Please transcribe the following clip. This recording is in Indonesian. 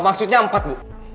maksudnya empat bu